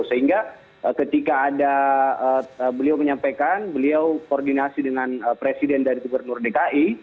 sehingga ketika ada beliau menyampaikan beliau koordinasi dengan presiden dari gubernur dki